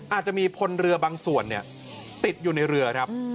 อาจจะมีพลเรือบางส่วนติดอยู่ในเรือครับ